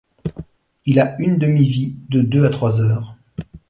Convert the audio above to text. Il a une demi-vie de deux à trois heures.